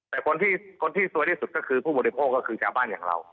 แต่คนที่สวยที่สุดก็คือผู้บริโภคก็คือชาวบ้านอย่างเรา